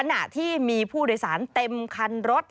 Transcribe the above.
ขณะที่มีผู้โดยสารเต็มคันรถ